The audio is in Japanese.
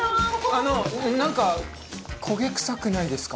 あのなんか焦げ臭くないですか？